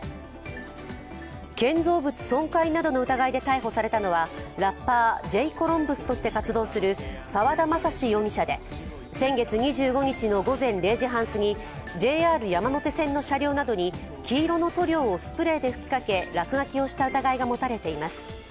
建造物損壊などの疑いで逮捕されたのはラッパー、Ｊ．ＣＯＬＵＭＢＵＳとして活動する沢田政嗣容疑者で、先月２５日の午前０時半すぎ、ＪＲ山手線の車両などに黄色の塗料をスプレーで吹きかけ落書きをした疑いが持たれています。